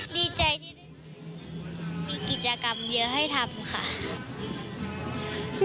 ดีใจที่มีกิจกรรมเยอะให้ทำค่ะ